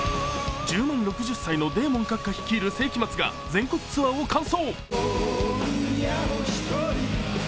１０万６０歳のデーモン閣下率いる聖飢魔Ⅱが全国ツアーを敢行。